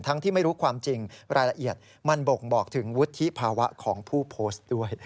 ที่ไม่รู้ความจริงรายละเอียดมันบ่งบอกถึงวุฒิภาวะของผู้โพสต์ด้วย